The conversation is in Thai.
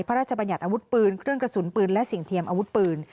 บัญญัติอาวุธปืนเครื่องกระสุนปืนและสิ่งเทียมอาวุธปืน